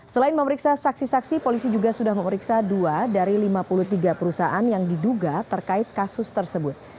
selain memeriksa saksi saksi polisi juga sudah memeriksa dua dari lima puluh tiga perusahaan yang diduga terkait kasus tersebut